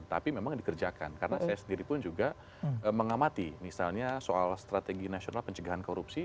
tapi memang dikerjakan karena saya sendiri pun juga mengamati misalnya soal strategi nasional pencegahan korupsi